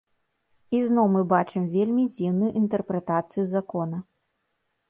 І зноў мы бачым вельмі дзіўную інтэрпрэтацыю закона.